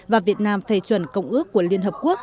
và việt nam phê chuẩn công ước của liên hợp quốc